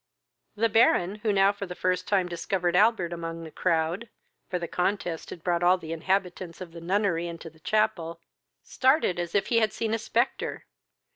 The Baron, who now for the first time discovered Albert among the crowd, (for the contest had brought all the inhabitants of the nunnery into the chapel,) started as if he had seen a spectre.